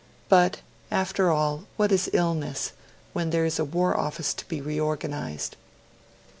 But, after all, what is illness, when there is a War Office to be reorganised?